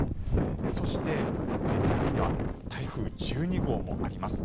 そして、南には台風１２号もあります。